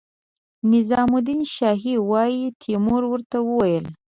نظام الدین شامي وايي تیمور ورته وویل.